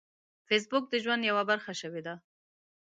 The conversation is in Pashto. فېسبوک د ژوند یوه برخه شوې ده